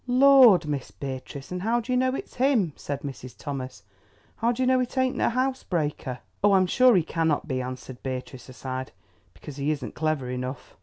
"Lord, Miss Beatrice, and how do you know it's him?" said Mrs. Thomas. "How do you know it ain't a housebreaker?" "Oh, I'm sure he cannot be," answered Beatrice aside, "because he isn't clever enough."